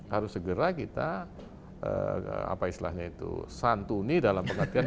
harus segera kita apa istilahnya itu santuni dalam pengertian